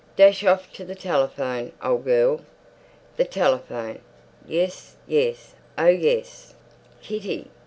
"Dash off to the telephone, old girl." The telephone. "Yes, yes; oh yes. Kitty?